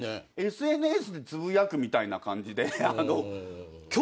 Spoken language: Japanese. ＳＮＳでつぶやくみたいな感じで。